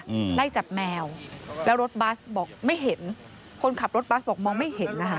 อืมไล่จับแมวแล้วรถบัสบอกไม่เห็นคนขับรถบัสบอกมองไม่เห็นนะคะ